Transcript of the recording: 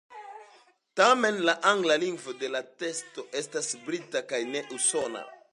Tamen la angla lingvo de la teksto estas brita kaj ne usona.